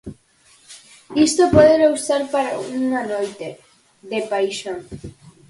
Isto pódelo usar para unha noite de paixón.